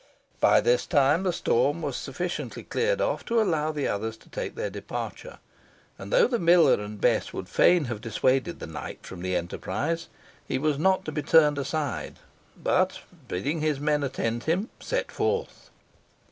By this time the storm had sufficiently cleared off to allow the others to take their departure; and though the miller and Bess would fain have dissuaded the knight from the enterprise, he was not to be turned aside, but, bidding his men attend him, set forth.